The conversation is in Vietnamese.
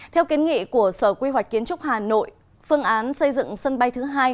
theo kiến nghị của sở quy hoạch kiến trúc hà nội phương án xây dựng sân bay thứ hai